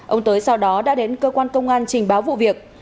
ông tới sau đó đã đến cơ quan công an trình báo vụ việc